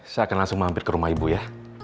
saya akan langsung mampir ke rumah ibu ya